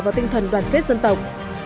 và tinh thần đoàn kết dân tộc